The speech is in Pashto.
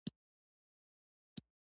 پښتانه بايد د روغتیا په اړه خبرتیا زياته کړي.